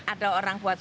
ada orang buat